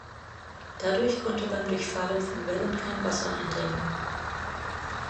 Dadurch konnte beim Durchfahren von Wellen kein Wasser eindringen.